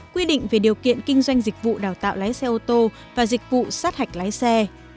quy định về điều kiện kinh doanh dịch vụ đào tạo lái xe ô tô và dịch vụ sát hạch lái xe